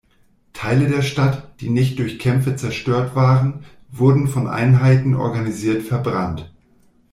Teile der Stadt, die nicht durch Kämpfe zerstört waren, wurden von Einheiten organisiert verbrannt.